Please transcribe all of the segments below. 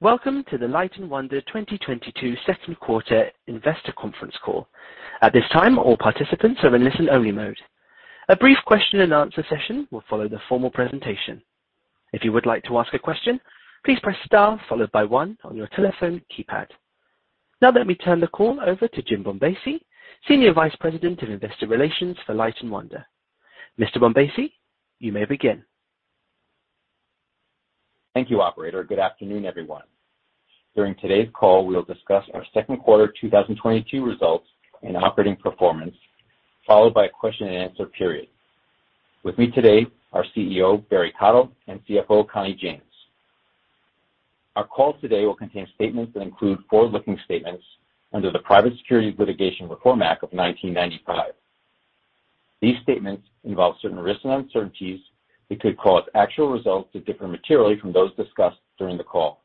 Welcome to the Light & Wonder 2022 second quarter investor conference call. At this time, all participants are in listen-only mode. A brief Q&A session will follow the formal presentation. If you would like to ask a question, please press star followed by one on your telephone keypad. Now let me turn the call over to Jim Bombassei, Senior Vice President of Investor Relations for Light & Wonder. Mr. Bombassei, you may begin. Thank you, operator. Good afternoon, everyone. During today's call, we will discuss our second quarter 2022 results and operating performance, followed by a question-and-answer period. With me today are CEO Barry Cottle and CFO Connie James. Our call today will contain statements that include forward-looking statements under the Private Securities Litigation Reform Act of 1995. These statements involve certain risks and uncertainties that could cause actual results to differ materially from those discussed during the call.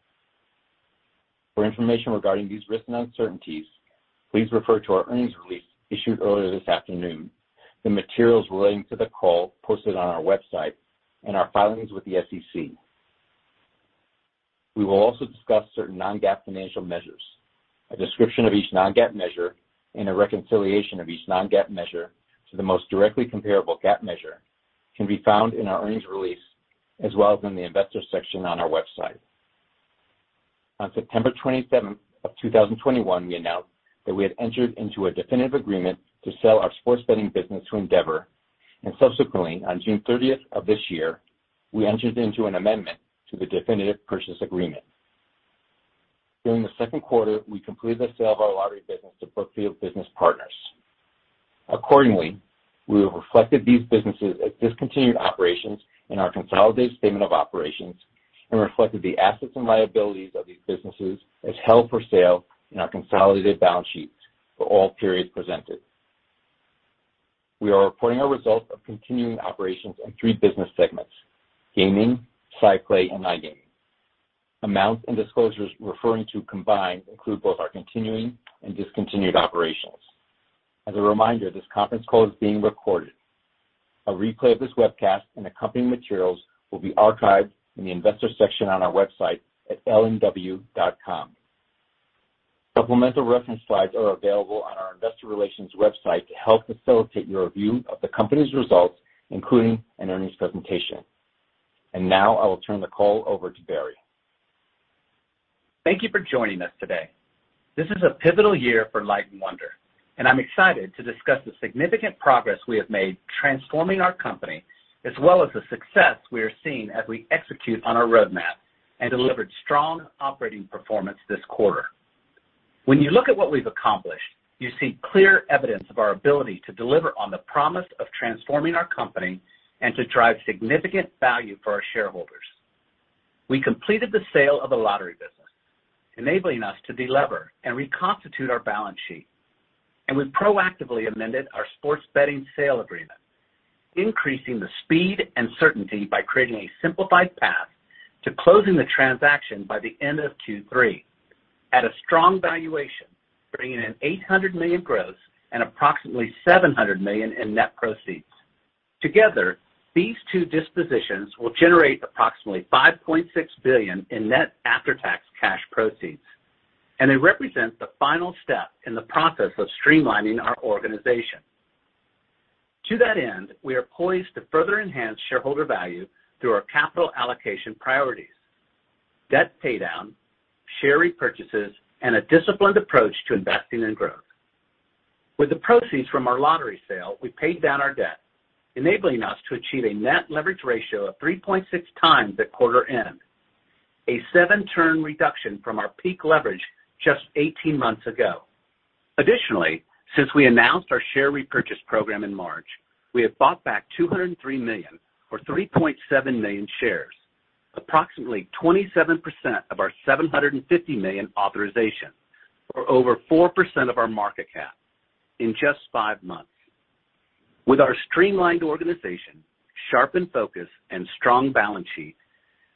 For information regarding these risks and uncertainties, please refer to our earnings release issued earlier this afternoon, the materials relating to the call posted on our website, and our filings with the SEC. We will also discuss certain non-GAAP financial measures. A description of each non-GAAP measure and a reconciliation of each non-GAAP measure to the most directly comparable GAAP measure can be found in our earnings release as well as in the investor section on our website. On September 27th 2021, we announced that we had entered into a definitive agreement to sell our sports betting business to Endeavor. Subsequently, on June 30th of this year, we entered into an amendment to the definitive purchase agreement. During the second quarter, we completed the sale of our lottery business to Brookfield Business Partners. Accordingly, we have reflected these businesses as discontinued operations in our consolidated statement of operations and reflected the assets and liabilities of these businesses as held for sale in our consolidated balance sheets for all periods presented. We are reporting our results of continuing operations in three business segments, gaming, SciPlay, and iGaming. Amounts and disclosures referring to combined include both our continuing and discontinued operations. As a reminder, this conference call is being recorded. A replay of this webcast and accompanying materials will be archived in the investor section on our website at lnw.com. Supplemental reference slides are available on our investor relations website to help facilitate your review of the company's results, including an earnings presentation. Now I will turn the call over to Barry. Thank you for joining us today. This is a pivotal year for Light & Wonder, and I'm excited to discuss the significant progress we have made transforming our company, as well as the success we are seeing as we execute on our roadmap and delivered strong operating performance this quarter. When you look at what we've accomplished, you see clear evidence of our ability to deliver on the promise of transforming our company and to drive significant value for our shareholders. We completed the sale of the lottery business, enabling us to deliver and reconstitute our balance sheet. We proactively amended our sports betting sale agreement, increasing the speed and certainty by creating a simplified path to closing the transaction by the end of Q3 at a strong valuation, bringing in $800 million gross and approximately $700 million in net proceeds. Together, these two dispositions will generate approximately $5.6 billion in net after-tax cash proceeds. They represent the final step in the process of streamlining our organization. To that end, we are poised to further enhance shareholder value through our capital allocation priorities, debt paydown, share repurchases, and a disciplined approach to investing in growth. With the proceeds from our lottery sale, we paid down our debt, enabling us to achieve a net leverage ratio of 3.6x at quarter end, a seven-turn reduction from our peak leverage just 18 months ago. Additionally, since we announced our share repurchase program in March, we have bought back $203 million or 3.7 million shares, approximately 27% of our $750 million authorization, or over 4% of our market cap in just five months. With our streamlined organization, sharpened focus, and strong balance sheet,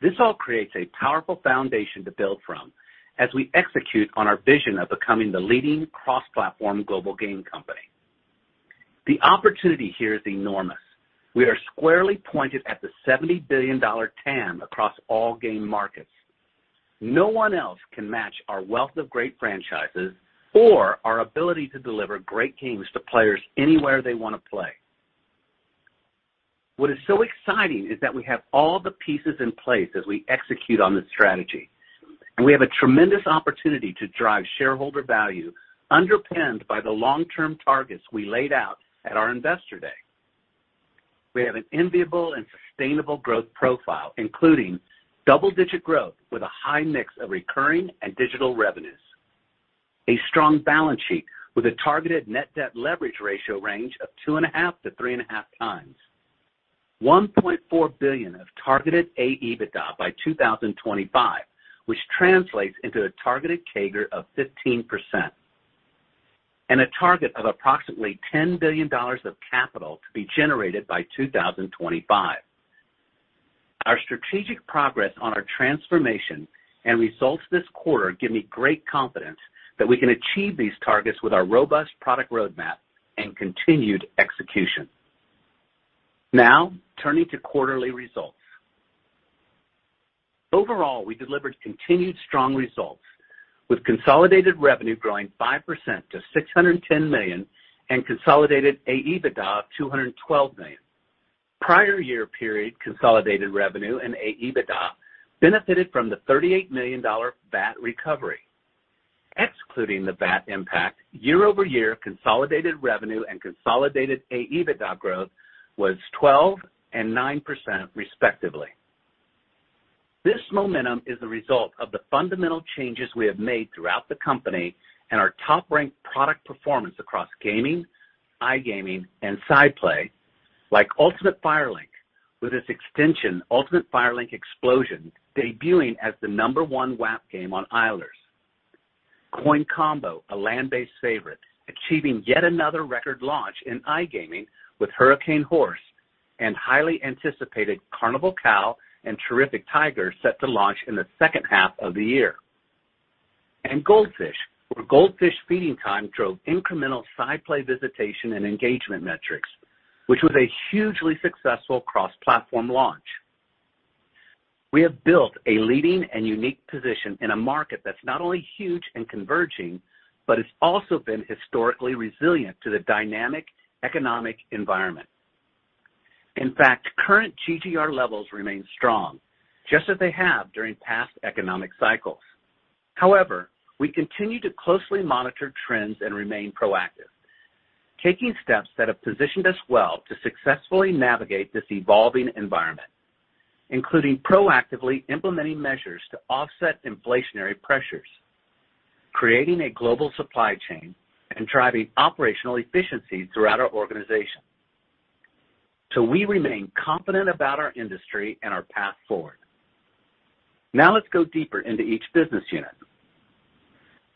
this all creates a powerful foundation to build from as we execute on our vision of becoming the leading cross-platform global game company. The opportunity here is enormous. We are squarely pointed at the $70 billion TAM across all game markets. No one else can match our wealth of great franchises or our ability to deliver great games to players anywhere they want to play. What is so exciting is that we have all the pieces in place as we execute on this strategy, and we have a tremendous opportunity to drive shareholder value underpinned by the long-term targets we laid out at our Investor Day. We have an enviable and sustainable growth profile, including double-digit growth with a high mix of recurring and digital revenues. A strong balance sheet with a targeted net debt leverage ratio range of 2.5-3.5 times. $1.4 billion of targeted AEBITDA by 2025, which translates into a targeted CAGR of 15%. A target of approximately $10 billion of capital to be generated by 2025. Our strategic progress on our transformation and results this quarter give me great confidence that we can achieve these targets with our robust product roadmap and continued execution. Now turning to quarterly results. Overall, we delivered continued strong results with consolidated revenue growing 5% to $610 million and consolidated AEBITDA of $212 million. Prior year period, consolidated revenue and AEBITDA benefited from the $38 million VAT recovery. Excluding the VAT impact, year-over-year consolidated revenue and consolidated AEBITDA growth was 12% and 9% respectively. This momentum is the result of the fundamental changes we have made throughout the company and our top-ranked product performance across gaming, iGaming, and SciPlay like Ultimate Fire Link with its extension, Ultimate Fire Link Explosion debuting as the number one WAP game on Eilers. Coin Combo, a land-based favorite, achieving yet another record launch in iGaming with Hurricane Horse and highly anticipated Carnival Cow and Terrific Tiger set to launch in the second half of the year. Gold Fish, where Gold Fish Feeding Time drove incremental SciPlay visitation and engagement metrics, which was a hugely successful cross-platform launch. We have built a leading and unique position in a market that's not only huge and converging, but it's also been historically resilient to the dynamic economic environment. In fact, current GGR levels remain strong, just as they have during past economic cycles. However, we continue to closely monitor trends and remain proactive, taking steps that have positioned us well to successfully navigate this evolving environment, including proactively implementing measures to offset inflationary pressures, creating a global supply chain, and driving operational efficiencies throughout our organization. We remain confident about our industry and our path forward. Now let's go deeper into each business unit.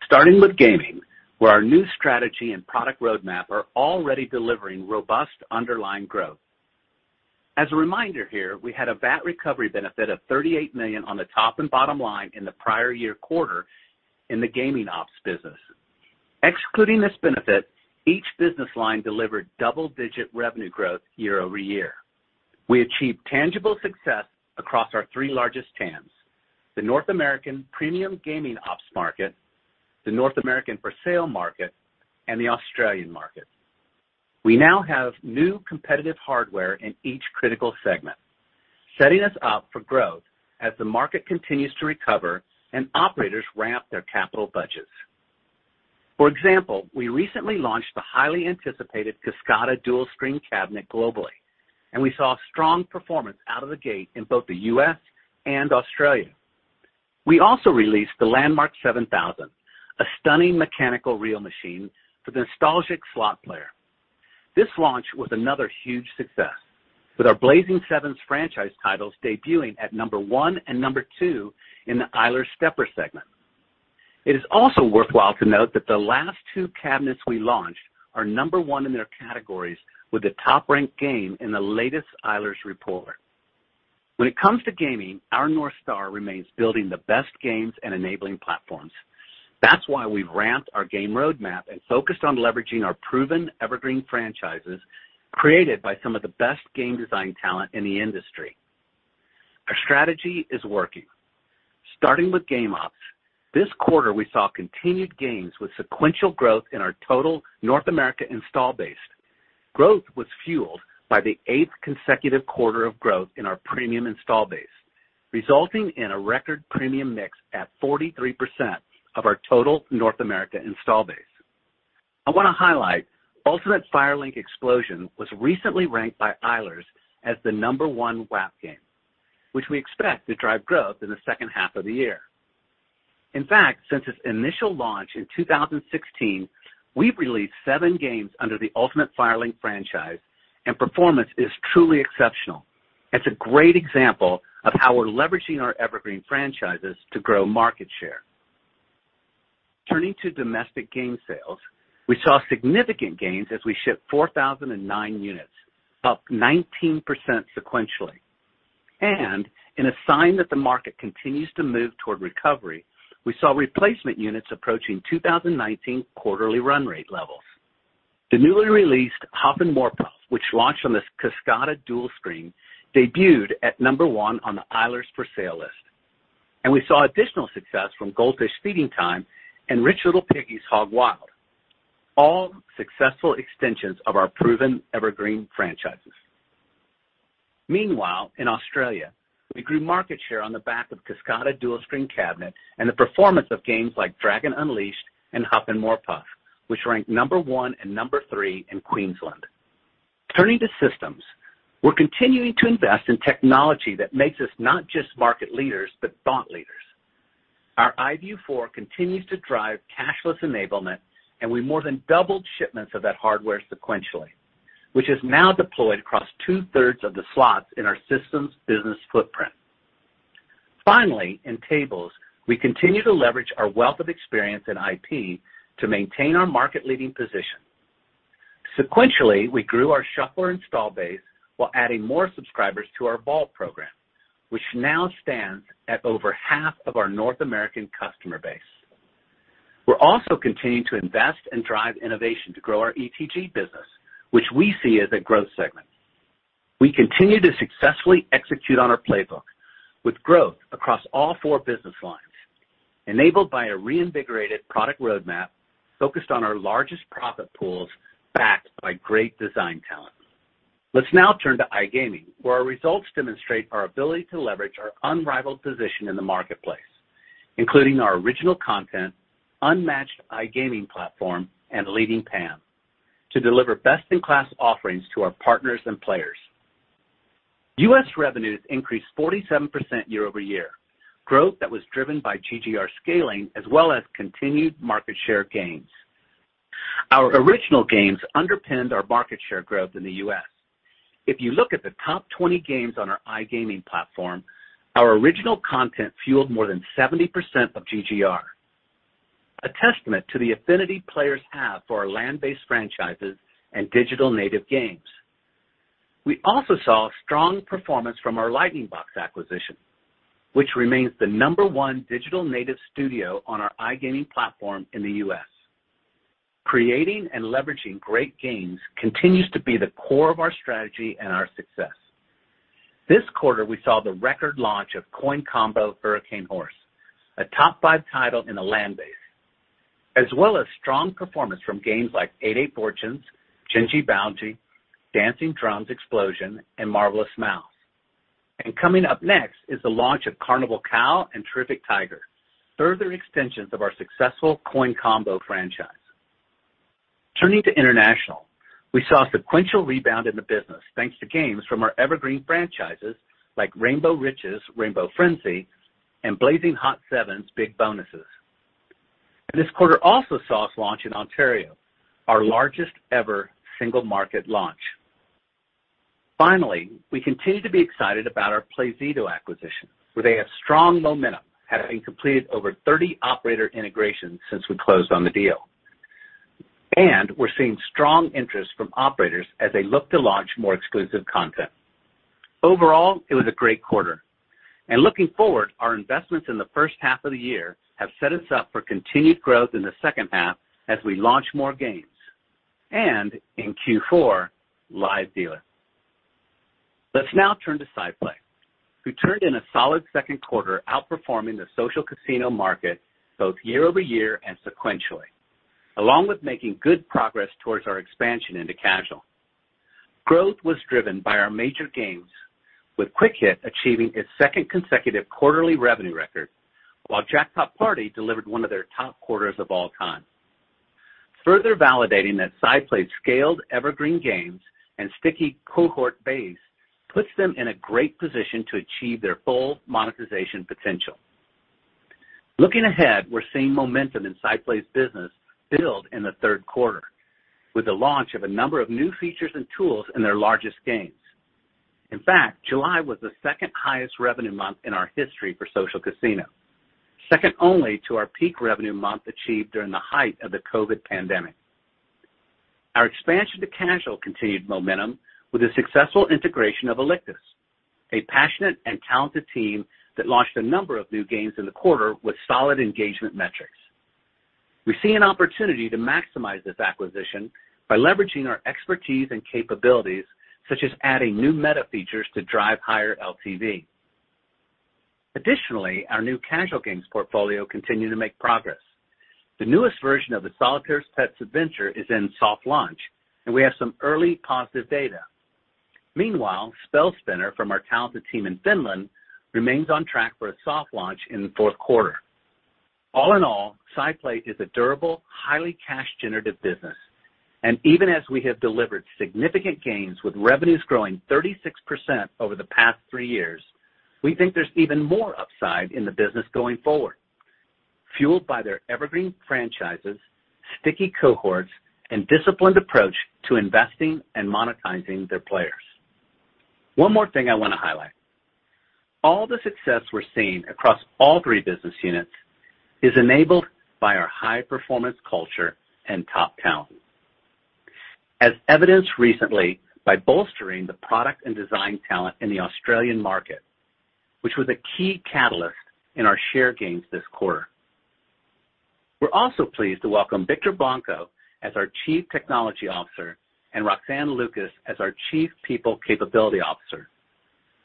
Starting with gaming, where our new strategy and product roadmap are already delivering robust underlying growth. As a reminder here, we had a VAT recovery benefit of $38 million on the top and bottom line in the prior year quarter in the gaming ops business. Excluding this benefit, each business line delivered double-digit revenue growth year over year. We achieved tangible success across our three largest TAMs, the North American premium gaming ops market, the North American for sale market, and the Australian market. We now have new competitive hardware in each critical segment, setting us up for growth as the market continues to recover and operators ramp their capital budgets. For example, we recently launched the highly anticipated Kascada Dual Screen cabinet globally, and we saw strong performance out of the gate in both the U.S. and Australia. We also released the Landmark 7000, a stunning mechanical reel machine for the nostalgic slot player. This launch was another huge success, with our Blazing Sevens franchise titles debuting at one and two in the Eilers stepper segment. It is also worthwhile to note that the last two cabinets we launched are one in their categories with the top-ranked game in the latest Eilers report. When it comes to gaming, our North Star remains building the best games and enabling platforms. That's why we've ramped our game roadmap and focused on leveraging our proven evergreen franchises created by some of the best game design talent in the industry. Our strategy is working. Starting with game ops, this quarter, we saw continued gains with sequential growth in our total North America install base. Growth was fueled by the eighth consecutive quarter of growth in our premium install base, resulting in a record premium mix at 43% of our total North America install base. I want to highlight Ultimate Fire Link Explosion was recently ranked by Eilers & Krejcik Gaming as the #1 WAP game, which we expect to drive growth in the second half of the year. In fact, since its initial launch in 2016, we've released seven games under the Ultimate Fire Link franchise, and performance is truly exceptional. It's a great example of how we're leveraging our evergreen franchises to grow market share. Turning to domestic game sales, we saw significant gains as we shipped 4,009 units, up 19% sequentially. In a sign that the market continues to move toward recovery, we saw replacement units approaching 2019 quarterly run rate levels. The newly released Huff N' More Puff, which launched on this Kascada Dual Screen, debuted at number one on the Eilers for-sale list. We saw additional success from Gold Fish Feeding Time and Rich Little Piggies Hog Wild, all successful extensions of our proven evergreen franchises. Meanwhile, in Australia, we grew market share on the back of Kascada dual screen cabinet and the performance of games like Dragon Unleashed and Huff N' More Puff, which ranked number one and number three in Queensland. Turning to systems, we're continuing to invest in technology that makes us not just market leaders, but thought leaders. Our iVIEW 4 continues to drive cashless enablement, and we more than doubled shipments of that hardware sequentially, which is now deployed across two-thirds of the slots in our systems business footprint. Finally, in tables, we continue to leverage our wealth of experience in IP to maintain our market-leading position. Sequentially, we grew our shuffler install base while adding more subscribers to our ball program, which now stands at over half of our North American customer base. We're also continuing to invest and drive innovation to grow our ETG business, which we see as a growth segment. We continue to successfully execute on our playbook with growth across all four business lines, enabled by a reinvigorated product roadmap focused on our largest profit pools, backed by great design talent. Let's now turn to iGaming, where our results demonstrate our ability to leverage our unrivaled position in the marketplace, including our original content, unmatched iGaming platform, and leading PAM, to deliver best-in-class offerings to our partners and players. U.S. revenues increased 47% year-over-year, growth that was driven by GGR scaling as well as continued market share gains. Our original games underpinned our market share growth in the U.S. If you look at the top 20 games on our iGaming platform, our original content fueled more than 70% of GGR, a testament to the affinity players have for our land-based franchises and digital native games. We also saw strong performance from our Lightning Box acquisition, which remains the number one digital native studio on our iGaming platform in the U.S. Creating and leveraging great games continues to be the core of our strategy and our success. This quarter, we saw the record launch of Coin Combo Hurricane Horse, a top five title in the land-based, as well as strong performance from games like 88 Fortunes, Jin Ji Bao Xi, Dancing Drums Explosion, and Marvelous Mouse. Coming up next is the launch of Carnival Cow and Terrific Tiger, further extensions of our successful Coin Combo franchise. Turning to international, we saw a sequential rebound in the business, thanks to games from our evergreen franchises like Rainbow Riches, Rainbow Frenzy, and Blazing Hot Sevens Big Bonus. This quarter also saw us launch in Ontario, our largest-ever single-market launch. Finally, we continue to be excited about our Playzido acquisition, where they have strong momentum, having completed over 30 operator integrations since we closed on the deal. We're seeing strong interest from operators as they look to launch more exclusive content. Overall, it was a great quarter. Looking forward, our investments in the first half of the year have set us up for continued growth in the second half as we launch more games and, in Q4, Live Dealer. Let's now turn to SciPlay, who turned in a solid second quarter outperforming the social casino market both year-over-year and sequentially, along with making good progress towards our expansion into casual. Growth was driven by our major games, with Quick Hit achieving its second consecutive quarterly revenue record, while Jackpot Party delivered one of their top quarters of all time, further validating that SciPlay's scaled evergreen games and sticky cohort base puts them in a great position to achieve their full monetization potential. Looking ahead, we're seeing momentum in SciPlay's business build in the third quarter with the launch of a number of new features and tools in their largest games. In fact, July was the second highest revenue month in our history for social casino, second only to our peak revenue month achieved during the height of the COVID pandemic. Our expansion to casual continued momentum with the successful integration of Alictus, a passionate and talented team that launched a number of new games in the quarter with solid engagement metrics. We see an opportunity to maximize this acquisition by leveraging our expertise and capabilities, such as adding new meta features to drive higher LTV. Additionally, our new casual games portfolio continue to make progress. The newest version of Solitaire Pets Adventure is in soft launch, and we have some early positive data. Meanwhile, Spell Spinner from our talented team in Finland remains on track for a soft launch in the fourth quarter. All in all, SciPlay is a durable, highly cash-generative business. Even as we have delivered significant gains with revenues growing 36% over the past three years, we think there's even more upside in the business going forward, fueled by their evergreen franchises, sticky cohorts, and disciplined approach to investing and monetizing their players. One more thing I want to highlight. All the success we're seeing across all three business units is enabled by our high-performance culture and top talent. As evidenced recently by bolstering the product and design talent in the Australian market, which was a key catalyst in our share gains this quarter. We're also pleased to welcome Victor Blanco as our Chief Technology Officer and Roxane Lukas as our Chief People Capability Officer,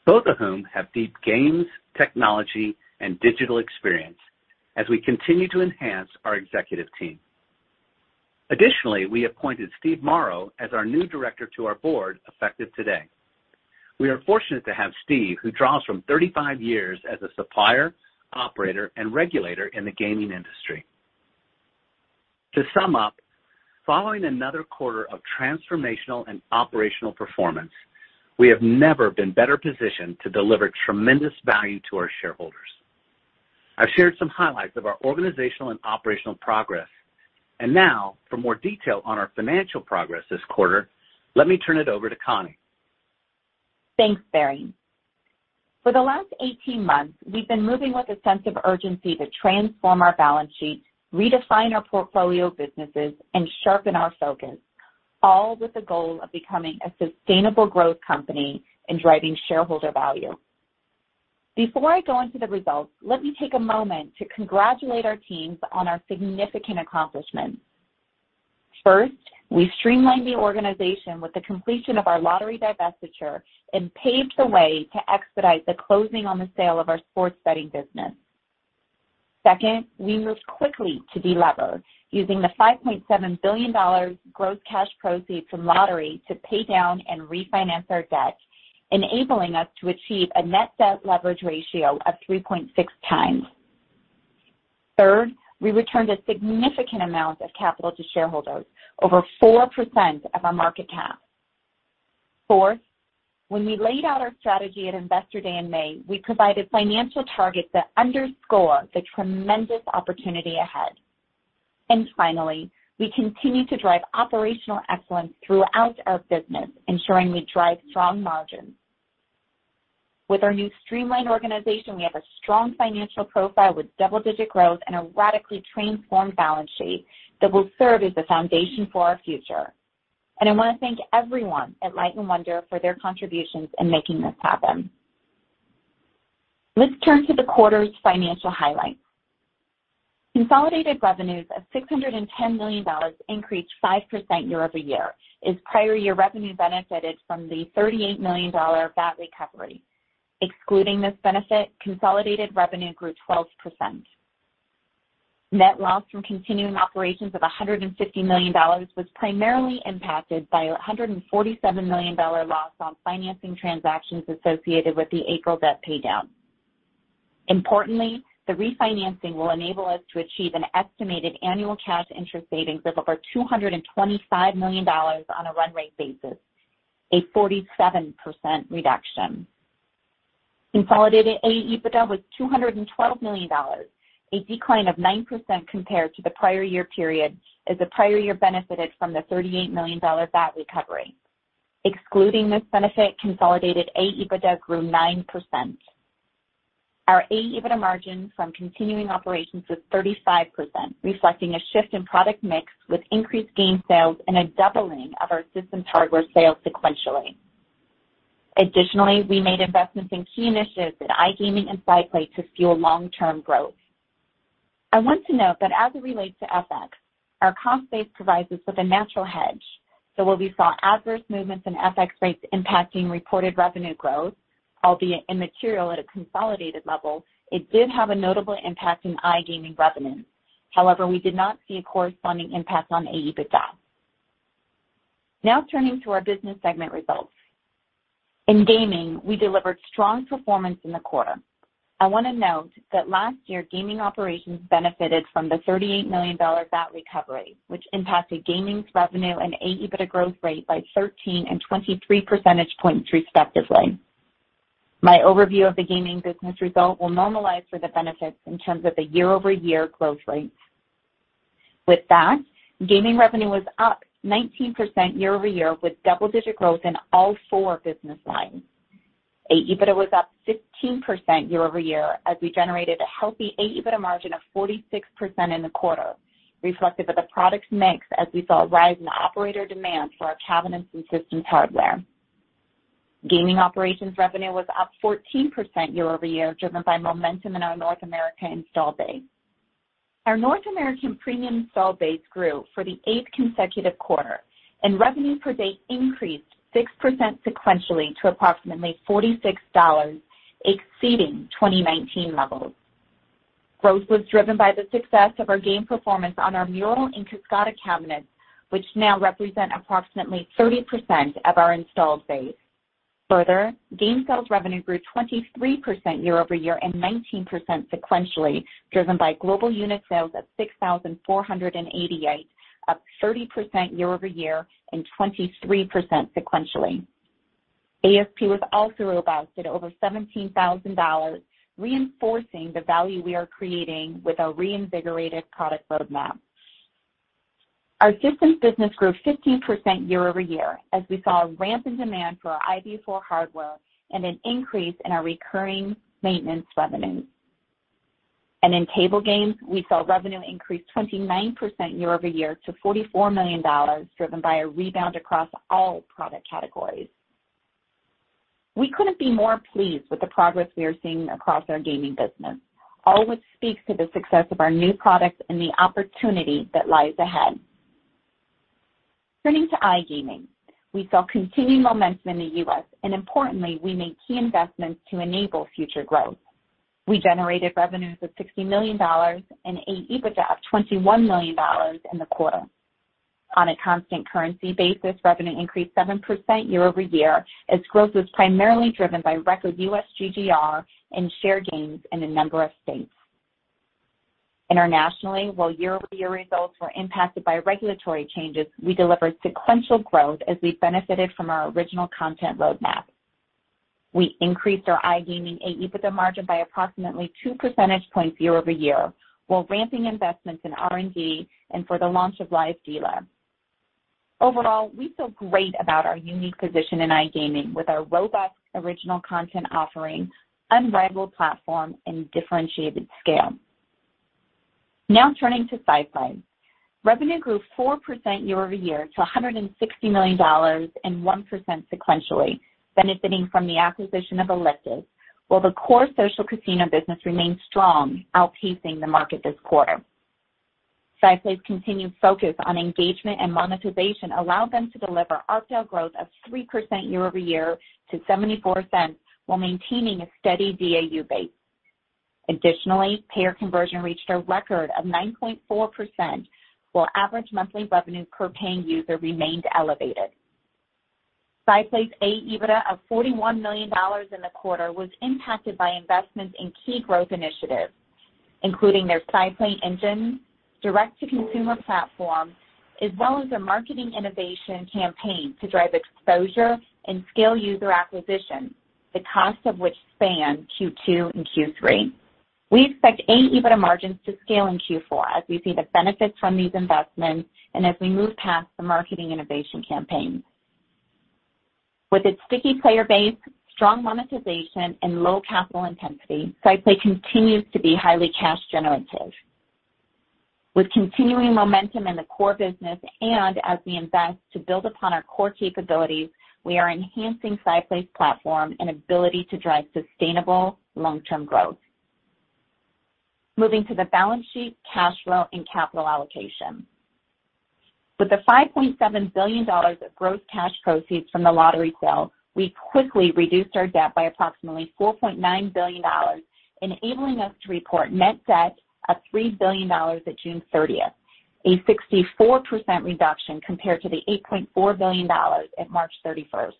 both of whom have deep games, technology, and digital experience as we continue to enhance our executive team. Additionally, we appointed Stephen Morro as our new Director to our Board, effective today. We are fortunate to have Steve, who draws from 35 years as a supplier, operator, and regulator in the gaming industry. To sum up, following another quarter of transformational and operational performance, we have never been better positioned to deliver tremendous value to our shareholders. I've shared some highlights of our organizational and operational progress. Now, for more detail on our financial progress this quarter, let me turn it over to Connie. Thanks, Barry. For the last 18 months, we've been moving with a sense of urgency to transform our balance sheet, redefine our portfolio of businesses, and sharpen our focus, all with the goal of becoming a sustainable growth company and driving shareholder value. Before I go into the results, let me take a moment to congratulate our teams on our significant accomplishments. First, we streamlined the organization with the completion of our lottery divestiture and paved the way to expedite the closing on the sale of our sports betting business. Second, we moved quickly to de-lever, using the $5.7 billion gross cash proceeds from lottery to pay down and refinance our debt, enabling us to achieve a net debt leverage ratio of 3.6x. Third, we returned a significant amount of capital to shareholders, over 4% of our market cap. Fourth, when we laid out our strategy at Investor Day in May, we provided financial targets that underscore the tremendous opportunity ahead. Finally, we continue to drive operational excellence throughout our business, ensuring we drive strong margins. With our new streamlined organization, we have a strong financial profile with double-digit growth and a radically transformed balance sheet that will serve as the foundation for our future. I want to thank everyone at Light & Wonder for their contributions in making this happen. Let's turn to the quarter's financial highlights. Consolidated revenues of $610 million increased 5% year-over-year as prior year revenue benefited from the $38 million VAT recovery. Excluding this benefit, consolidated revenue grew 12%. Net loss from continuing operations of $150 million was primarily impacted by $147 million dollar loss on financing transactions associated with the April debt paydown. Importantly, the refinancing will enable us to achieve an estimated annual cash interest savings of over $225 million on a run rate basis, a 47% reduction. Consolidated AEBITDA was $212 million, a decline of 9% compared to the prior year period as the prior year benefited from the $38 million VAT recovery. Excluding this benefit, consolidated AEBITDA grew 9%. Our AEBITDA margin from continuing operations was 35%, reflecting a shift in product mix with increased game sales and a doubling of our systems hardware sales sequentially. Additionally, we made investments in key initiatives in iGaming and SciPlay to fuel long-term growth. I want to note that as it relates to FX, our comp base provides us with a natural hedge. So while we saw adverse movements in FX rates impacting reported revenue growth, albeit immaterial at a consolidated level, it did have a notable impact in iGaming revenue. However, we did not see a corresponding impact on AEBITDA. Now turning to our business segment results. In gaming, we delivered strong performance in the quarter. I want to note that last year, gaming operations benefited from the $38 million VAT recovery, which impacted gaming's revenue and AEBITDA growth rate by 13 and 23 percentage points, respectively. My overview of the gaming business result will normalize for the benefits in terms of the year-over-year growth rates. With that, gaming revenue was up 19% year-over-year, with double-digit growth in all four business lines. AEBITDA was up 15% year-over-year as we generated a healthy AEBITDA margin of 46% in the quarter, reflective of the product mix as we saw a rise in operator demand for our cabinets and systems hardware. Gaming operations revenue was up 14% year-over-year, driven by momentum in our North American install base. Our North American premium install base grew for the eighth consecutive quarter, and revenue per base increased 6% sequentially to approximately $46, exceeding 2019 levels. Growth was driven by the success of our game performance on our Mural and Kascada cabinets, which now represent approximately 30% of our installed base. Further, game sales revenue grew 23% year-over-year and 19% sequentially, driven by global unit sales at 6,488, up 30% year-over-year and 23% sequentially. ASP was also robust at over $17,000, reinforcing the value we are creating with our reinvigorated product roadmap. Our systems business grew 15% year-over-year as we saw a ramp in demand for our iVIEW 4 hardware and an increase in our recurring maintenance revenue. In table games, we saw revenue increase 29% year-over-year to $44 million, driven by a rebound across all product categories. We couldn't be more pleased with the progress we are seeing across our gaming business, all which speaks to the success of our new products and the opportunity that lies ahead. Turning to iGaming, we saw continued momentum in the U.S., and importantly, we made key investments to enable future growth. We generated revenues of $60 million and AEBITDA of $21 million in the quarter. On a constant currency basis, revenue increased 7% year-over-year as growth was primarily driven by record U.S. GGR and share gains in a number of states. Internationally, while year-over-year results were impacted by regulatory changes, we delivered sequential growth as we benefited from our original content roadmap. We increased our iGaming AEBITDA margin by approximately 2 percentage points year-over-year while ramping investments in R&D and for the launch of Live Dealer. Overall, we feel great about our unique position in iGaming with our robust original content offering, unrivaled platform, and differentiated scale. Now turning to SciPlay. Revenue grew 4% year-over-year to $160 million and 1% sequentially, benefiting from the acquisition of Alictus, while the core social casino business remained strong, outpacing the market this quarter. SciPlay's continued focus on engagement and monetization allowed them to deliver ARPDAU growth of 3% year-over-year to $0.74 while maintaining a steady DAU base. Additionally, payer conversion reached a record of 9.4%, while average monthly revenue per paying user remained elevated. SciPlay's AEBITDA of $41 million in the quarter was impacted by investments in key growth initiatives, including their SciPlay Engine, direct-to-consumer platform, as well as a marketing innovation campaign to drive exposure and scale user acquisition, the cost of which spanned Q2 and Q3. We expect AEBITDA margins to scale in Q4 as we see the benefits from these investments and as we move past the marketing innovation campaign. With its sticky player base, strong monetization, and low capital intensity, SciPlay continues to be highly cash generative. With continuing momentum in the core business and as we invest to build upon our core capabilities, we are enhancing SciPlay's platform and ability to drive sustainable long-term growth. Moving to the balance sheet, cash flow, and capital allocation. With the $5.7 billion of gross cash proceeds from the lottery sale, we quickly reduced our debt by approximately $4.9 billion, enabling us to report net debt of $3 billion at June 30th, a 64% reduction compared to the $8.4 billion at March 31st.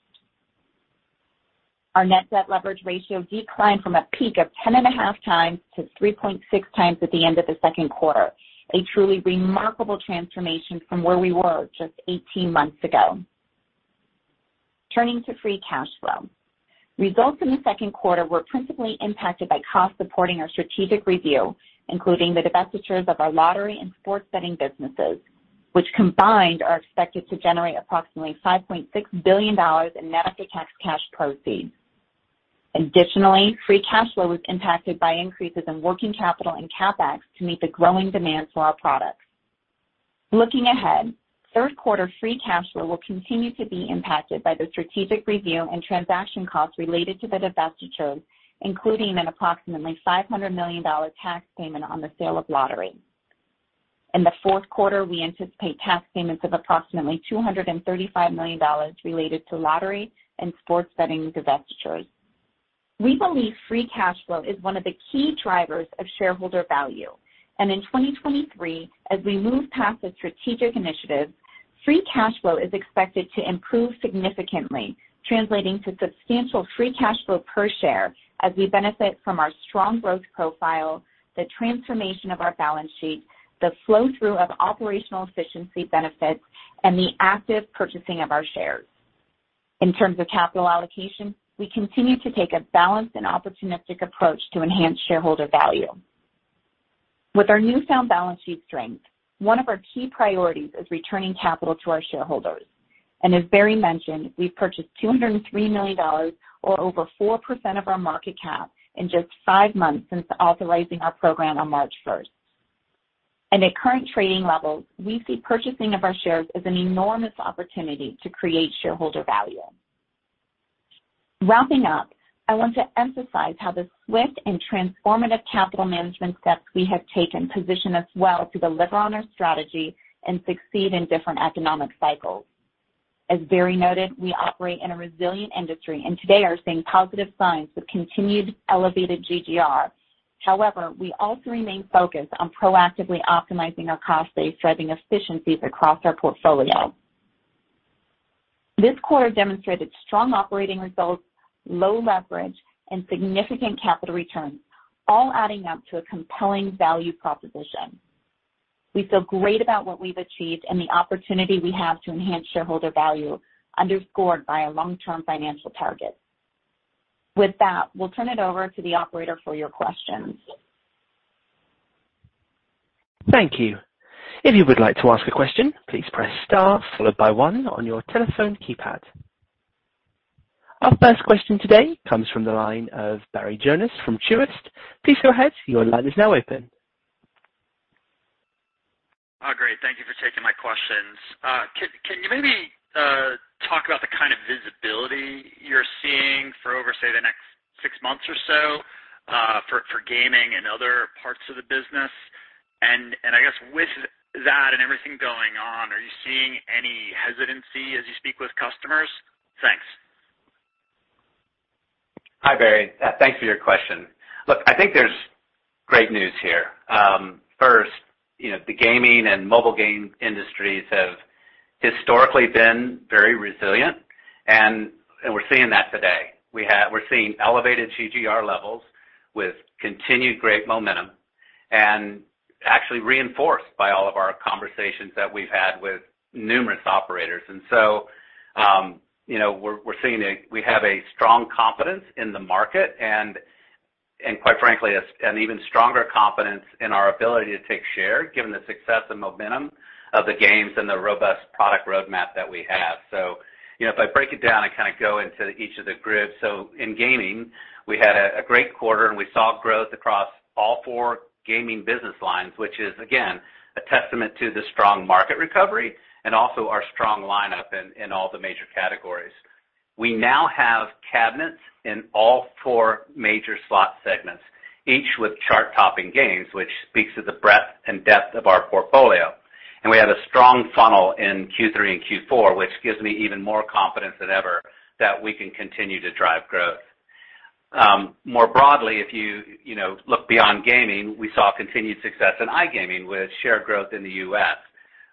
Our net debt leverage ratio declined from a peak of 10.5x to 3.6x at the end of the second quarter, a truly remarkable transformation from where we were just 18 months ago. Turning to free cash flow. Results in the second quarter were principally impacted by costs supporting our strategic review, including the divestitures of our lottery and sports betting businesses, which combined are expected to generate approximately $5.6 billion in net-of-tax cash proceeds. Additionally, free cash flow was impacted by increases in working capital and CapEx to meet the growing demand for our products. Looking ahead, third quarter free cash flow will continue to be impacted by the strategic review and transaction costs related to the divestitures, including an approximately $500 million tax payment on the sale of lottery. In the fourth quarter, we anticipate tax payments of approximately $235 million related to lottery and sports betting divestitures. We believe free cash flow is one of the key drivers of shareholder value. In 2023, as we move past the strategic initiatives, free cash flow is expected to improve significantly, translating to substantial free cash flow per share as we benefit from our strong growth profile, the transformation of our balance sheet, the flow-through of operational efficiency benefits, and the active purchasing of our shares. In terms of capital allocation, we continue to take a balanced and opportunistic approach to enhance shareholder value. With our newfound balance sheet strength, one of our key priorities is returning capital to our shareholders. As Barry mentioned, we've purchased $203 million, or over 4% of our market cap, in just five months since authorizing our program on March 1st. At current trading levels, we see purchasing of our shares as an enormous opportunity to create shareholder value. Wrapping up, I want to emphasize how the swift and transformative capital management steps we have taken position us well to deliver on our strategy and succeed in different economic cycles. As Barry noted, we operate in a resilient industry and today are seeing positive signs with continued elevated GGR. However, we also remain focused on proactively optimizing our cost base, driving efficiencies across our portfolio. This quarter demonstrated strong operating results, low leverage, and significant capital returns, all adding up to a compelling value proposition. We feel great about what we've achieved and the opportunity we have to enhance shareholder value underscored by our long-term financial targets. With that, we'll turn it over to the operator for your questions. Thank you. If you would like to ask a question, please press star followed by one on your telephone keypad. Our first question today comes from the line of Barry Jonas from Truist. Please go ahead, your line is now open. Oh, great. Thank you for taking my questions. Can you maybe talk about the kind of visibility you're seeing for over, say, the next six months or so, for gaming and other parts of the business? I guess with that and everything going on, are you seeing any hesitancy as you speak with customers? Thanks. Hi, Barry. Thanks for your question. Look, I think there's great news here. First, you know, the gaming and mobile game industries have historically been very resilient, and we're seeing that today. We're seeing elevated GGR levels with continued great momentum, and actually reinforced by all of our conversations that we've had with numerous operators. You know, we're seeing we have a strong confidence in the market and, quite frankly, an even stronger confidence in our ability to take share, given the success and momentum of the games and the robust product roadmap that we have. So. You know, if I break it down and kind of go into each of the grids. In gaming, we had a great quarter, and we saw growth across all four gaming business lines, which is, again, a testament to the strong market recovery and also our strong lineup in all the major categories. We now have cabinets in all four major slot segments, each with chart-topping gains, which speaks to the breadth and depth of our portfolio. We have a strong funnel in Q3 and Q4, which gives me even more confidence than ever that we can continue to drive growth. More broadly, if you know, look beyond gaming, we saw continued success in iGaming with share growth in the U.S.,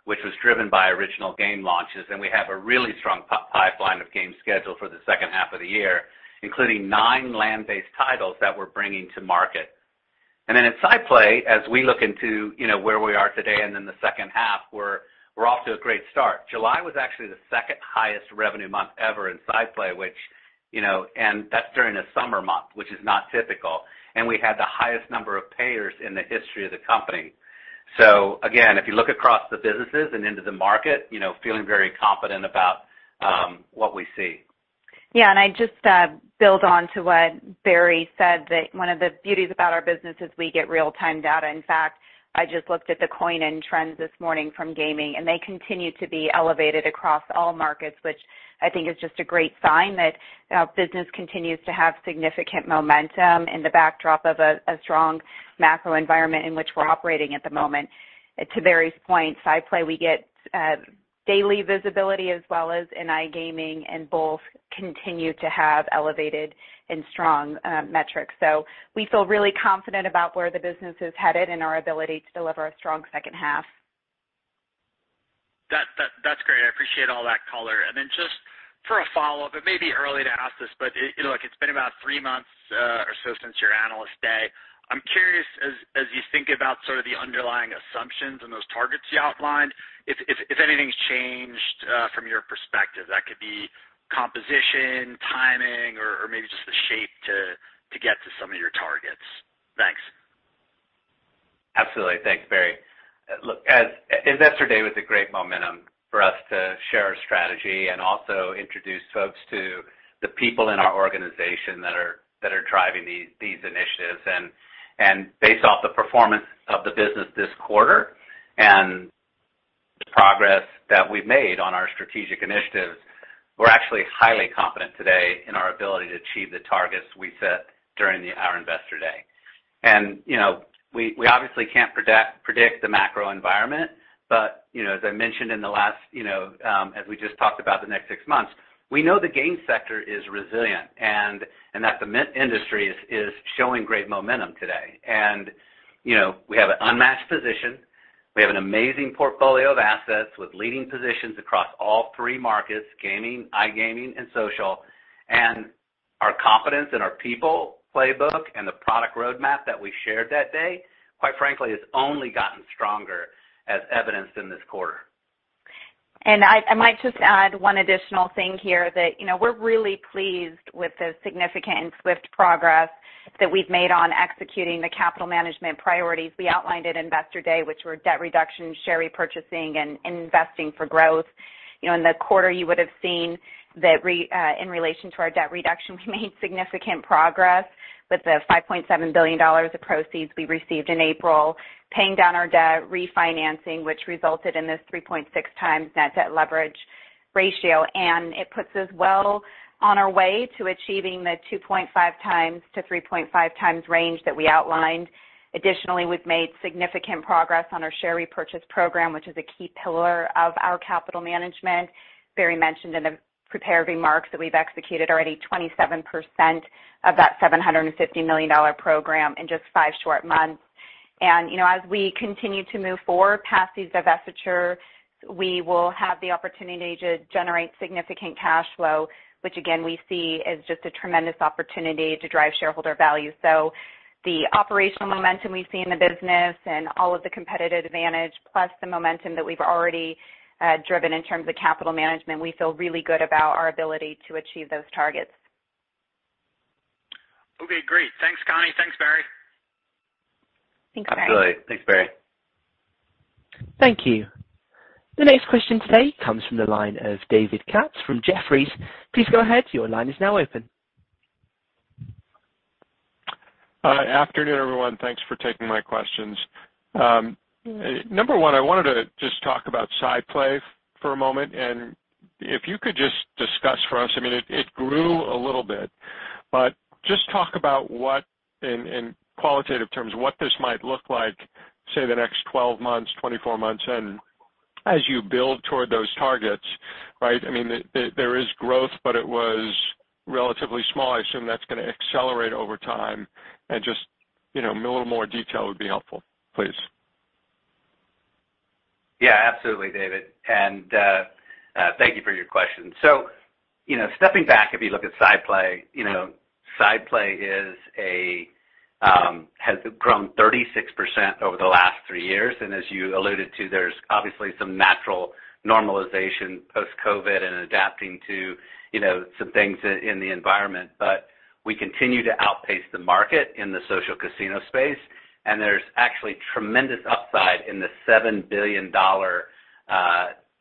which was driven by original game launches. We have a really strong pipeline of game schedule for the second half of the year, including nine land-based titles that we're bringing to market. Then in SciPlay, as we look into, you know, where we are today and in the second half, we're off to a great start. July was actually the second highest revenue month ever in SciPlay, which, you know, and that's during a summer month, which is not typical. We had the highest number of payers in the history of the company. Again, if you look across the businesses and into the market, you know, feeling very confident about what we see. Yeah. I just build on to what Barry said that one of the beauties about our business is we get real-time data. In fact, I just looked at the Coin Combo trends this morning from Gaming, and they continue to be elevated across all markets, which I think is just a great sign that our business continues to have significant momentum in the backdrop of a strong macro environment in which we're operating at the moment. To Barry's point, SciPlay, we get daily visibility as well as in iGaming, and both continue to have elevated and strong metrics. We feel really confident about where the business is headed and our ability to deliver a strong second half. That's great. I appreciate all that color. Just for a follow-up, it may be early to ask this, but you know, like, it's been about three months or so since your Analyst Day. I'm curious as you think about sort of the underlying assumptions and those targets you outlined, if anything's changed from your perspective, that could be composition, timing, or maybe just the shape to get to some of your targets. Thanks. Absolutely. Thanks, Barry. Look, as Investor Day was a great momentum for us to share our strategy and also introduce folks to the people in our organization that are driving these initiatives. Based off the performance of the business this quarter and the progress that we've made on our strategic initiatives, we're actually highly confident today in our ability to achieve the targets we set during our Investor Day. You know, we obviously can't predict the macro environment, but you know, as I mentioned in the last, you know, as we just talked about the next six months, we know the gaming sector is resilient and that the gaming industry is showing great momentum today. You know, we have an unmatched position. We have an amazing portfolio of assets with leading positions across all three markets, gaming, iGaming, and social. Our confidence in our people playbook and the product roadmap that we shared that day, quite frankly, has only gotten stronger as evidenced in this quarter. I might just add one additional thing here that, you know, we're really pleased with the significant and swift progress that we've made on executing the capital management priorities we outlined at Investor Day, which were debt reduction, share repurchasing, and investing for growth. You know, in the quarter, you would have seen that in relation to our debt reduction, we made significant progress with the $5.7 billion of proceeds we received in April, paying down our debt refinancing, which resulted in this 3.6x net debt leverage ratio. It puts us well on our way to achieving the 2.5x-3.5x range that we outlined. Additionally, we've made significant progress on our share repurchase program, which is a key pillar of our capital management. Barry mentioned in the prepared remarks that we've executed already 27% of that $750 million program in just five short months. You know, as we continue to move forward past these divestitures, we will have the opportunity to generate significant cash flow, which again, we see as just a tremendous opportunity to drive shareholder value. The operational momentum we see in the business and all of the competitive advantage, plus the momentum that we've already driven in terms of capital management, we feel really good about our ability to achieve those targets. Okay, great. Thanks, Connie. Thanks, Barry. Thanks, Barry. Absolutely. Thanks, Barry. Thank you. The next question today comes from the line of David Katz from Jefferies. Please go ahead. Your line is now open. Afternoon, everyone. Thanks for taking my questions. Number one, I wanted to just talk about SciPlay for a moment, and if you could just discuss for us, I mean, it grew a little bit, but just talk about what in qualitative terms, what this might look like, say, the next 12 months, 24 months, and as you build toward those targets, right? I mean, there is growth, but it was relatively small. I assume that's gonna accelerate over time. Just, you know, a little more detail would be helpful, please. Yeah, absolutely, David, and thank you for your question. So, you know, stepping back, if you look at SciPlay, you know, SciPlay has grown 36% over the last three years, and as you alluded to, there's obviously some natural normalization post-COVID and adapting to, you know, some things in the environment, but we continue to outpace the market in the social casino space, and there's actually tremendous upside in the $7 billion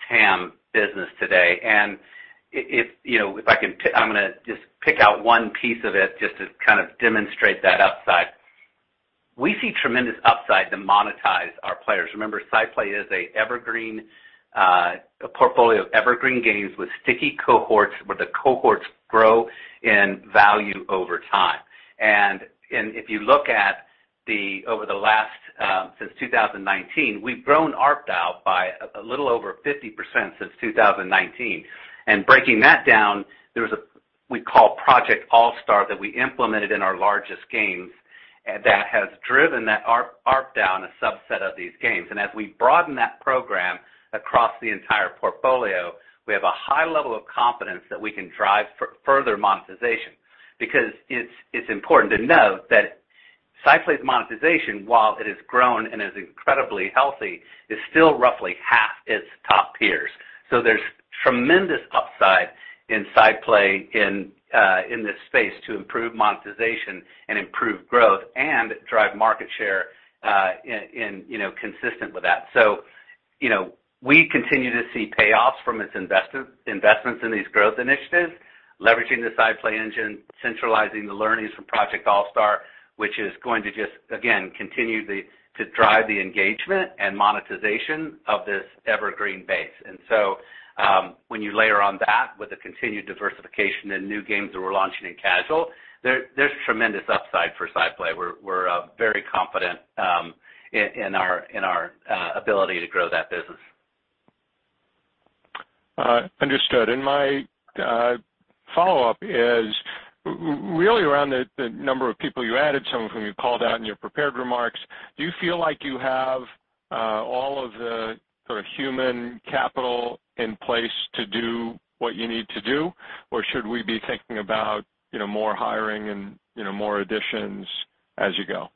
TAM business today. If, you know, if I can, I'm gonna just pick out one piece of it just to kind of demonstrate that upside. We see tremendous upside to monetize our players. Remember, SciPlay is an evergreen portfolio of evergreen games with sticky cohorts, where the cohorts grow in value over time. If you look over the last since 2019, we've grown ARPDAU by a little over 50% since 2019. Breaking that down, there's we call Project All Star that we implemented in our largest games that has driven that ARPDAU on a subset of these games. As we broaden that program across the entire portfolio, we have a high level of confidence that we can drive further monetization. Because it's important to note that SciPlay's monetization, while it has grown and is incredibly healthy, is still roughly half its top peers. There's tremendous upside in SciPlay in this space to improve monetization and improve growth and drive market share, you know, consistent with that. You know, we continue to see payoffs from its investments in these growth initiatives, leveraging the SciPlay engine, centralizing the learnings from Project All Star, which is going to drive the engagement and monetization of this evergreen base. When you layer on that with the continued diversification in new games that we're launching in casual, there's tremendous upside for SciPlay. We're very confident in our ability to grow that business. Understood. My follow-up is really around the number of people you added, some of whom you called out in your prepared remarks. Do you feel like you have all of the sort of human capital in place to do what you need to do? Or should we be thinking about, you know, more hiring and, you know, more additions as you go?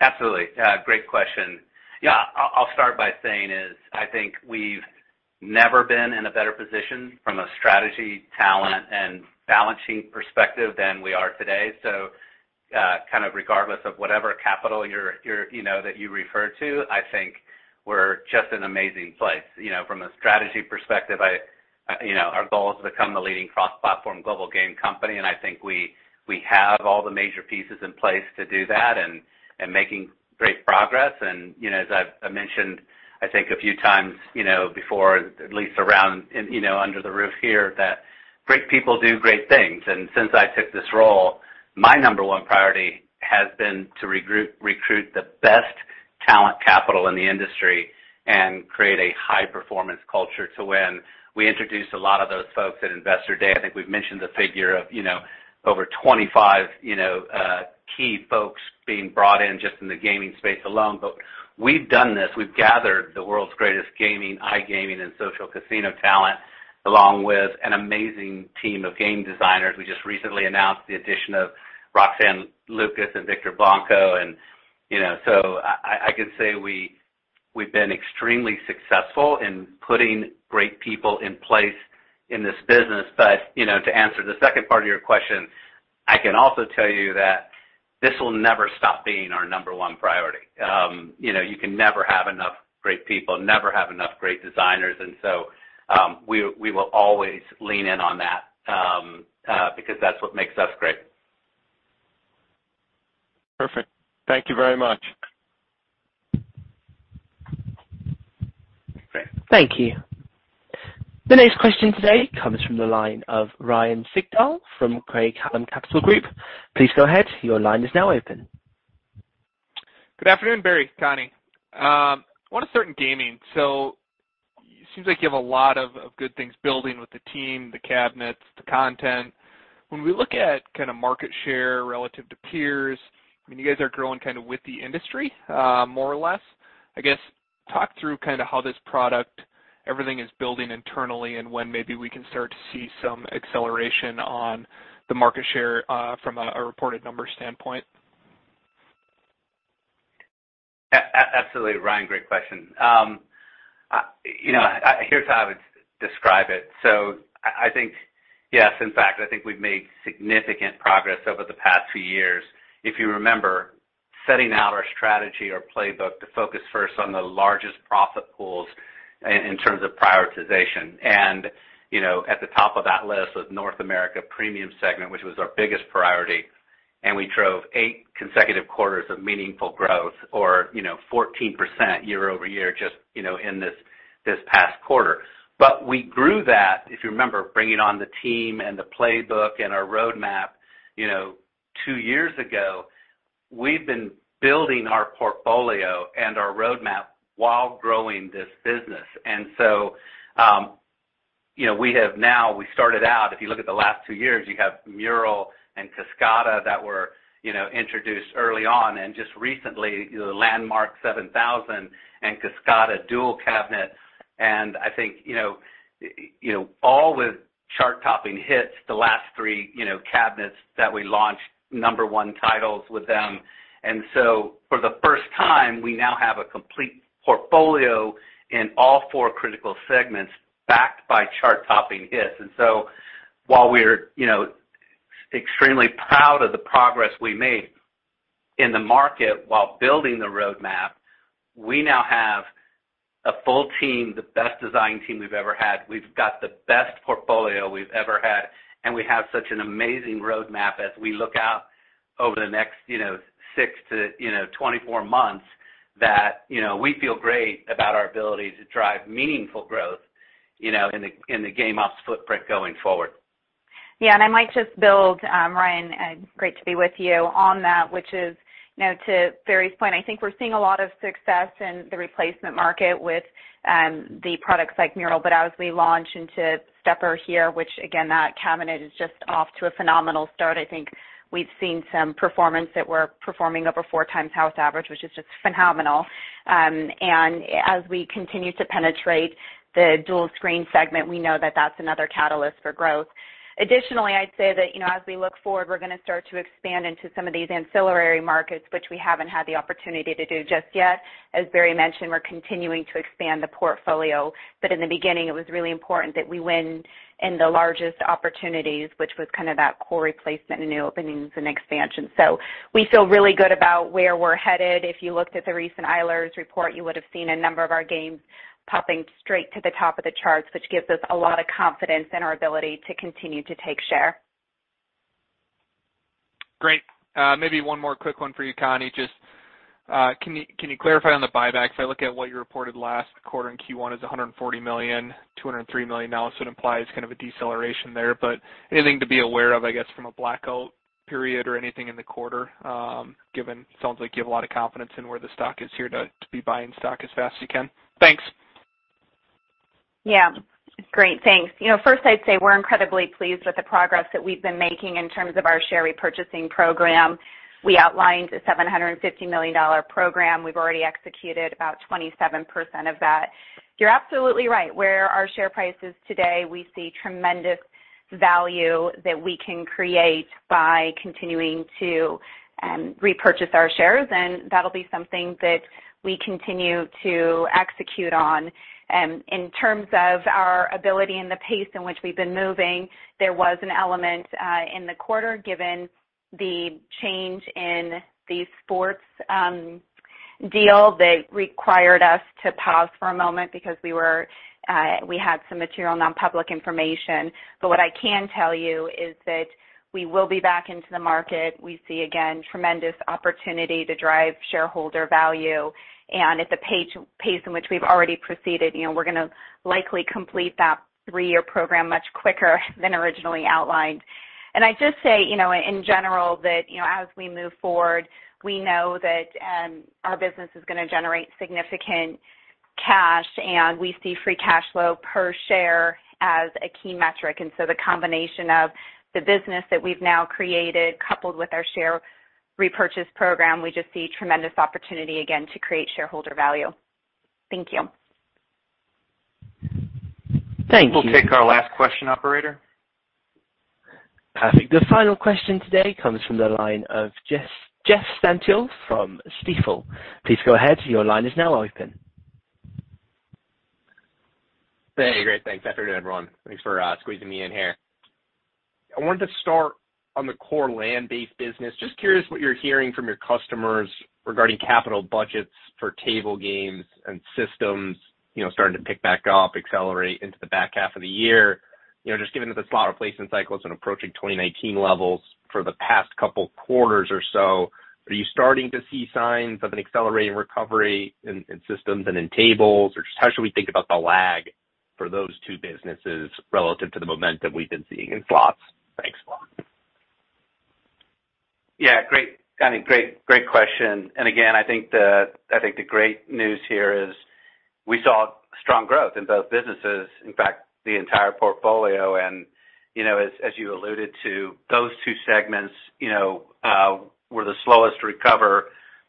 Absolutely. Great question. Yeah. I'll start by saying is, I think we've never been in a better position from a strategy, talent, and balancing perspective than we are today. Kind of regardless of whatever capital you're, you know, that you refer to, I think we're just in amazing place. You know, from a strategy perspective, you know, our goal is to become the leading cross-platform global game company, and I think we have all the major pieces in place to do that and making great progress. You know, as I've mentioned, I think a few times, you know, before, at least around, in, you know, under the roof here, that great people do great things. Since I took this role, my number one priority has been to recruit the best talent capital in the industry and create a high-performance culture to win. We introduced a lot of those folks at Investor Day. I think we've mentioned the figure of, you know, over 25, you know, key folks being brought in just in the gaming space alone. We've done this. We've gathered the world's greatest gaming, iGaming, and social casino talent, along with an amazing team of game designers. We just recently announced the addition of Roxane Lukas and Victor Blanco. I can say we've been extremely successful in putting great people in place in this business. To answer the second part of your question, I can also tell you that this will never stop being our number one priority. You know, you can never have enough great people, never have enough great designers, and so we will always lean in on that, because that's what makes us great. Perfect. Thank you very much. Great. Thank you. The next question today comes from the line of Ryan Sigdahl from Craig-Hallum Capital Group. Please go ahead. Your line is now open. Good afternoon, Barry, Connie. I wanna start in gaming. Seems like you have a lot of good things building with the team, the cabinets, the content. When we look at kinda market share relative to peers, I mean, you guys are growing kinda with the industry, more or less. I guess, talk through kinda how this product, everything is building internally and when maybe we can start to see some acceleration on the market share, from a reported number standpoint. Absolutely, Ryan, great question. You know, here's how I would describe it. I think, yes, in fact, I think we've made significant progress over the past few years. If you remember, setting out our strategy or playbook to focus first on the largest profit pools in terms of prioritization. You know, at the top of that list was North America premium segment, which was our biggest priority, and we drove eight consecutive quarters of meaningful growth or, you know, 14% year-over-year just, you know, in this past quarter. We grew that, if you remember, bringing on the team and the playbook and our roadmap, you know, two years ago. We've been building our portfolio and our roadmap while growing this business. You know, we have now, we started out, if you look at the last two years, you have Mural and Kascada that were, you know, introduced early on, and just recently, you know, the Landmark 7000 and Kascada Dual Cabinet. I think, you know, all with chart-topping hits, the last three, you know, cabinets that we launched number one titles with them. For the first time, we now have a complete portfolio in all four critical segments backed by chart-topping hits. While we're, you know, extremely proud of the progress we made in the market while building the roadmap, we now have a full team, the best design team we've ever had. We've got the best portfolio we've ever had, and we have such an amazing roadmap as we look out over the next, you know, six to, you know, 24 months that, you know, we feel great about our ability to drive meaningful growth, you know, in the game ops footprint going forward. Yeah. I might just build, Ryan, great to be with you on that, which is, you know, to Barry's point, I think we're seeing a lot of success in the replacement market with the products like Mural. As we launch into Stepper here, which again, that cabinet is just off to a phenomenal start. I think we've seen some performance that we're performing over four times house average, which is just phenomenal. As we continue to penetrate the dual screen segment, we know that that's another catalyst for growth. Additionally, I'd say that, you know, as we look forward, we're gonna start to expand into some of these ancillary markets, which we haven't had the opportunity to do just yet. As Barry mentioned, we're continuing to expand the portfolio. In the beginning, it was really important that we win in the largest opportunities, which was kind of that core replacement in new openings and expansion. We feel really good about where we're headed. If you looked at the recent Eilers & Krejcik Gaming report, you would have seen a number of our games popping straight to the top of the charts, which gives us a lot of confidence in our ability to continue to take share. Great. Maybe one more quick one for you, Connie. Just, can you clarify on the buyback? If I look at what you reported last quarter in Q1 is $140 million, $203 million now, so it implies kind of a deceleration there. But anything to be aware of, I guess, from a blackout period or anything in the quarter, given sounds like you have a lot of confidence in where the stock is here to be buying stock as fast as you can. Thanks. Yeah. Great. Thanks. You know, first I'd say we're incredibly pleased with the progress that we've been making in terms of our share repurchasing program. We outlined a $750 million program. We've already executed about 27% of that. You're absolutely right. Where our share price is today, we see tremendous value that we can create by continuing to repurchase our shares, and that'll be something that we continue to execute on. In terms of our ability and the pace in which we've been moving, there was an element in the quarter, given the change in the sports deal that required us to pause for a moment because we had some material non-public information. What I can tell you is that we will be back into the market. We see, again, tremendous opportunity to drive shareholder value. At the pace in which we've already proceeded, you know, we're gonna likely complete that three-year program much quicker than originally outlined. I'd just say, you know, in general that, you know, as we move forward, we know that, our business is gonna generate significant cash, and we see free cash flow per share as a key metric. The combination of the business that we've now created, coupled with our share repurchase program, we just see tremendous opportunity again to create shareholder value. Thank you. Thank you. We'll take our last question, operator. Perfect. The final question today comes from the line of Jeff Stantial from Stifel. Please go ahead. Your line is now open. Hey, great. Thanks. Afternoon, everyone. Thanks for squeezing me in here. I wanted to start on the core land-based business. Just curious what you're hearing from your customers regarding capital budgets for table games and systems, you know, starting to pick back up, accelerate into the back half of the year. You know, just given that the slot replacement cycle has been approaching 2019 levels for the past couple quarters or so, are you starting to see signs of an accelerated recovery in systems and in tables? Or just how should we think about the lag for those two businesses relative to the momentum we've been seeing in slots? Thanks a lot. Yeah. Great question. I think the great news here is we saw strong growth in both businesses, in fact, the entire portfolio. You know, as you alluded to, those two segments were the slowest to recover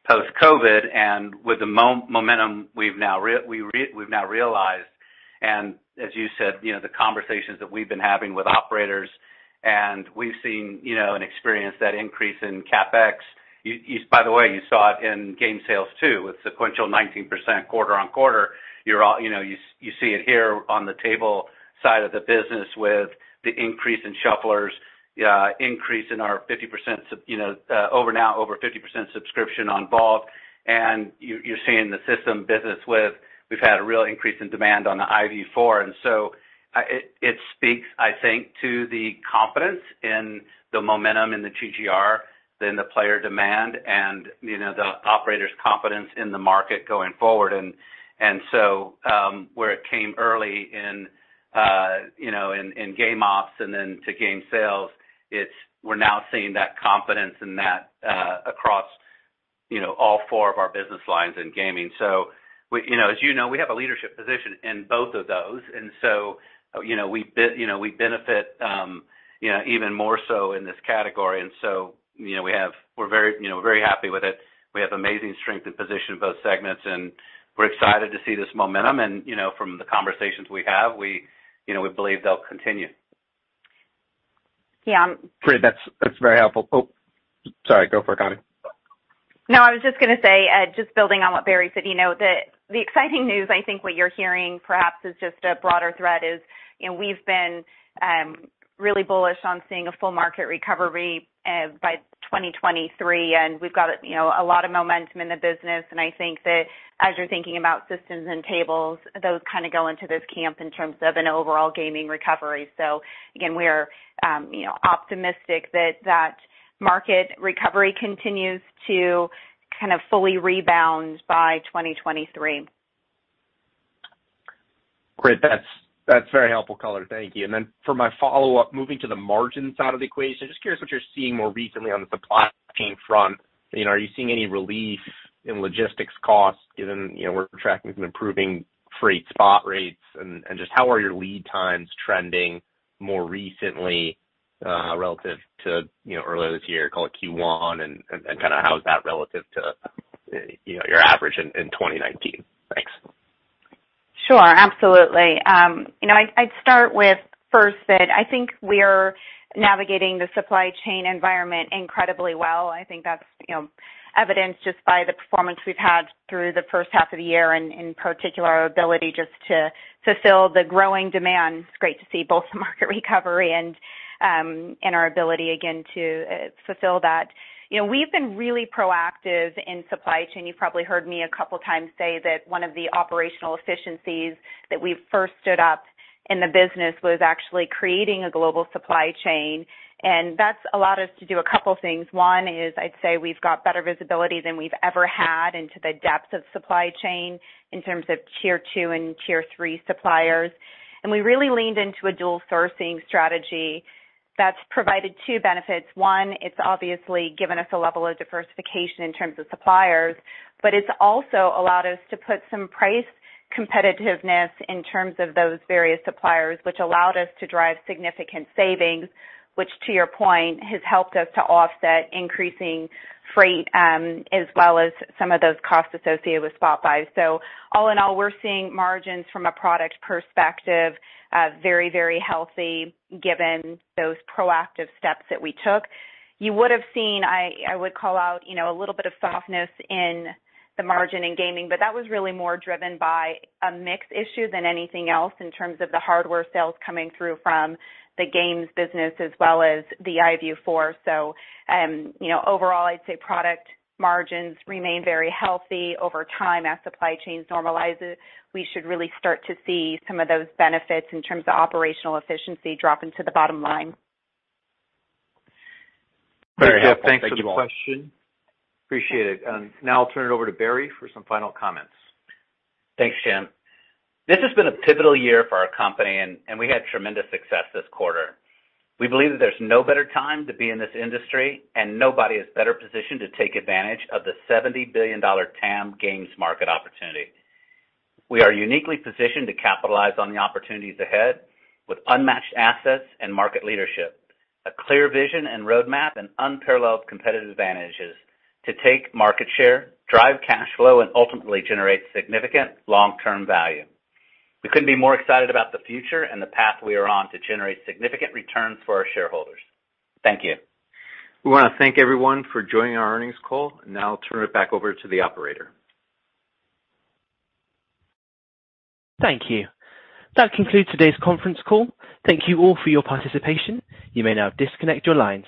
post-COVID and with the momentum we've now realized. As you said, the conversations that we've been having with operators, and we've seen and experienced that increase in CapEx. By the way, you saw it in game sales, too, with sequential 19% quarter-on-quarter. You all know, you see it here on the table side of the business with the increase in shufflers, increase in our over 50% subscription on Vault. You're seeing the system business where we've had a real increase in demand on the iVIEW 4. It speaks, I think, to the confidence in the momentum in the GGR, the player demand and, you know, the operator's confidence in the market going forward. Where it came early in game ops and then to game sales, we're now seeing that confidence in that across, you know, all four of our business lines in gaming. We, you know, as you know, we have a leadership position in both of those. You know, we benefit, you know, even more so in this category. We're very, you know, very happy with it. We have amazing strength and position in both segments, and we're excited to see this momentum. You know, from the conversations we have, we, you know, we believe they'll continue. Yeah. Great. That's very helpful. Oh, sorry, go for it, Connie. No, I was just gonna say, just building on what Barry said, you know, the exciting news, I think what you're hearing perhaps is just a broader thread is, you know, we've been really bullish on seeing a full market recovery by 2023, and we've got, you know, a lot of momentum in the business. I think that as you're thinking about systems and tables, those kind of go into this camp in terms of an overall gaming recovery. Again, we are, you know, optimistic that market recovery continues to kind of fully rebound by 2023. Great. That's very helpful color. Thank you. For my follow-up, moving to the margin side of the equation, just curious what you're seeing more recently on the supply chain front. You know, are you seeing any relief in logistics costs given, you know, we're tracking some improving freight spot rates? And kinda how is that relative to, you know, earlier this year, call it Q1, and kinda how is that relative to, you know, your average in 2019? Thanks. Sure, absolutely. You know, I'd start with first that I think we're navigating the supply chain environment incredibly well. I think that's, you know, evidenced just by the performance we've had through the first half of the year, and in particular, our ability just to fulfill the growing demand. It's great to see both the market recovery and our ability again to fulfill that. You know, we've been really proactive in supply chain. You've probably heard me a couple times say that one of the operational efficiencies that we first stood up in the business was actually creating a global supply chain. That's allowed us to do a couple things. One is I'd say we've got better visibility than we've ever had into the depth of supply chain in terms of tier two and tier three suppliers. We really leaned into a dual sourcing strategy that's provided two benefits. One, it's obviously given us a level of diversification in terms of suppliers, but it's also allowed us to put some price competitiveness in terms of those various suppliers, which allowed us to drive significant savings, which to your point, has helped us to offset increasing freight, as well as some of those costs associated with spot buys. All in all, we're seeing margins from a product perspective, very, very healthy given those proactive steps that we took. You would've seen, I would call out, you know, a little bit of softness in the margin in gaming, but that was really more driven by a mix issue than anything else in terms of the hardware sales coming through from the games business as well as the iVIEW 4. You know, overall, I'd say product margins remain very healthy over time. As supply chains normalize, we should really start to see some of those benefits in terms of operational efficiency dropping to the bottom line. Very helpful. Thank you all. Yeah, thanks for the question. Appreciate it. Now I'll turn it over to Barry for some final comments. Thanks, Jim. This has been a pivotal year for our company, and we had tremendous success this quarter. We believe that there's no better time to be in this industry, and nobody is better positioned to take advantage of the $70 billion TAM games market opportunity. We are uniquely positioned to capitalize on the opportunities ahead with unmatched assets and market leadership, a clear vision and roadmap, and unparalleled competitive advantages to take market share, drive cash flow, and ultimately generate significant long-term value. We couldn't be more excited about the future and the path we are on to generate significant returns for our shareholders. Thank you. We wanna thank everyone for joining our earnings call. Now I'll turn it back over to the operator. Thank you. That concludes today's conference call. Thank you all for your participation. You may now disconnect your lines.